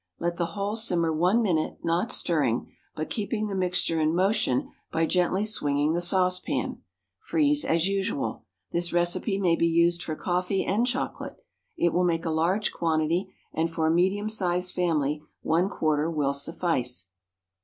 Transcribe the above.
Let the whole simmer one minute, not stirring, but keeping the mixture in motion by gently swinging the saucepan. Freeze as usual. This recipe may be used for coffee and chocolate; it will make a large quantity, and for a medium sized family one quarter will suffice.